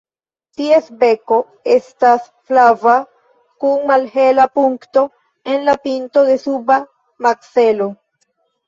Ties beko estas flava kun malhela punkto en la pinto de suba makzelo.